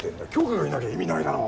杏花がいなきゃ意味ないだろ